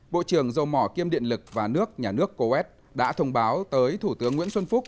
bộ trưởng dầu mỏ kiêm điện lực và nước nhà nước coes đã thông báo tới thủ tướng nguyễn xuân phúc